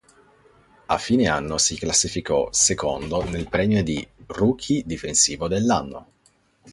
A fine anno si classificò secondo nel premio di rookie difensivo dell'anno.